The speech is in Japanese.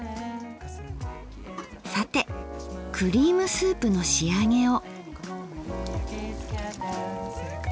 さてクリームスープの仕上げを。